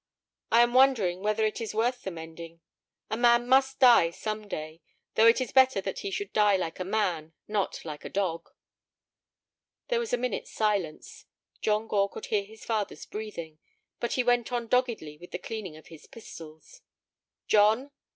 "I am wondering whether it is worth the mending. A man must die some day; though it is better that he should die like a man, not like a dog." There was a minute's silence. John Gore could hear his father's breathing, but he went on doggedly with the cleaning of his pistols. "John."